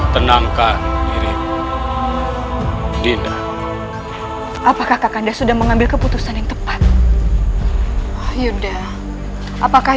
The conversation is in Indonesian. tenangkan diri dinda apakah kakanda sudah mengambil keputusan yang tepat yuda apakah